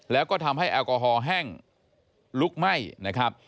แล้วก็ทำให้แอลกอฮอลแห้งลุกไหม้นะครับ